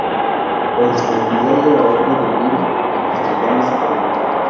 La disponibilidad de la obra de Lem en castellano es irregular.